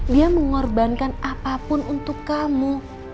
dia mengorbankan apapun untuk kamu